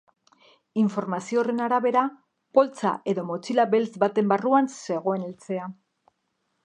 Informazio horren arabera, poltsa edo motxila beltz baten barruan zegoen eltzea.